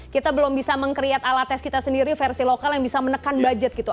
kita belum bisa meng create alat tes kita sendiri versi lokal yang bisa menekan budget gitu